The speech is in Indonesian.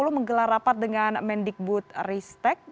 menggelar rapat dengan mendikbud ristek